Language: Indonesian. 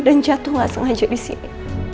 dan jatuh gak sengaja disini